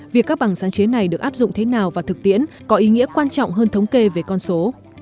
việc các bằng sáng chế này được áp dụng thế nào và thực tiễn có ý nghĩa quan trọng hơn thống kê về con số